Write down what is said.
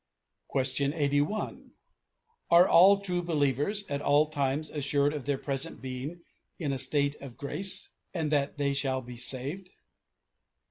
Question 81: "Are all true believers at all times assured of their present being in a state of grace, and that they shall be saved?